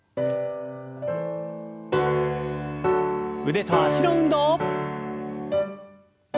腕と脚の運動。